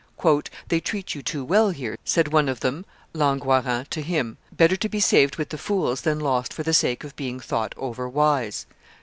"They treat you too well here," said one of them, Langoiran, to him; "better to be saved with the fools than lost for the sake of being thought over wise."